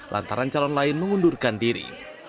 lantaran calon lain mengundurkan diri